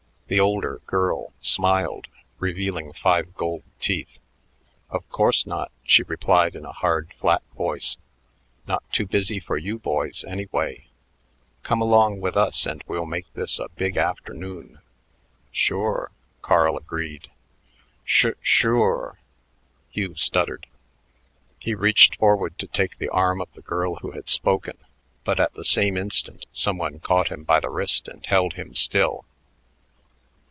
The older "girl" smiled, revealing five gold teeth. "Of course not," she replied in a hard, flat voice. "Not too busy for you boys, anyway. Come along with us and we'll make this a big afternoon." "Sure," Carl agreed. "Sh shure," Hugh stuttered. He reached forward to take the arm of the girl who had spoken, but at the same instant some one caught him by the wrist and held him still.